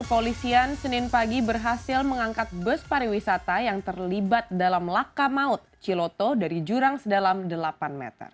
kepolisian senin pagi berhasil mengangkat bus pariwisata yang terlibat dalam laka maut ciloto dari jurang sedalam delapan meter